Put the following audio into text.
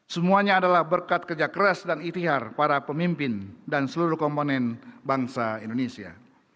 semuanya adalah berkat kerja keras dan itihar para pemimpin dan seluruh komponen bangsa indonesia